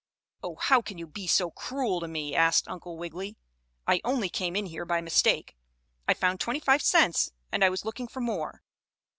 "Oh, how can you be so cruel to me?" asked Uncle Wiggily. "I only came in here by mistake. I found twenty five cents, and I was looking for more."